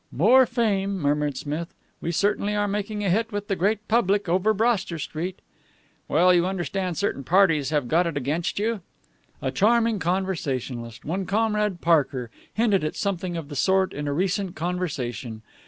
"More fame!" murmured Smith. "We certainly are making a hit with the great public over Broster Street." "Well, you understand certain parties have got it in against you?" "A charming conversationalist, one Comrade Parker, hinted at something of the sort in a recent conversation.